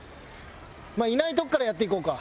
いないとこからやっていこうか。